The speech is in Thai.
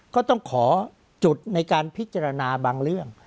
ก็ต้องขอจุดในการพิจารณาบางเรื่อง